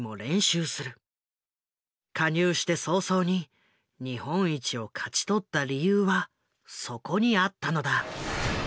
加入して早々に日本一を勝ち取った理由はそこにあったのだ。